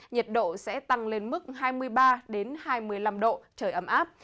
nhiệt độ sẽ tăng lên mức hai mươi ba hai mươi năm độ trời ấm áp